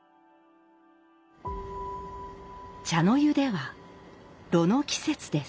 茶の湯では「炉」の季節です。